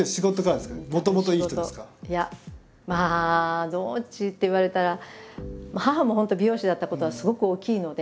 まあどっちって言われたら母も本当美容師だったことはすごく大きいので。